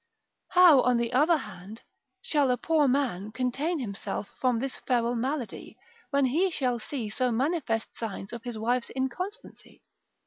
How, on the other side, shall a poor man contain himself from this feral malady, when he shall see so manifest signs of his wife's inconstancy?